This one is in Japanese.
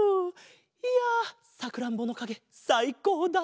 いやさくらんぼのかげさいこうだった。